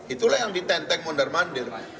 itulah yang ditenteng mondar mandir